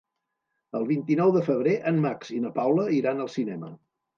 El vint-i-nou de febrer en Max i na Paula iran al cinema.